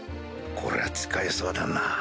これは使えそうだな。